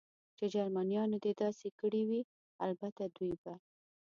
چې جرمنیانو دې داسې کړي وي، البته دوی به.